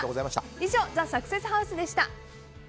以上ＴＨＥサクセスハウスでした。